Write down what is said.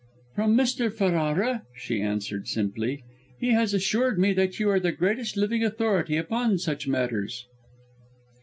"From Mr. Ferrara," she answered simply. "He has assured me that you are the greatest living authority upon such matters."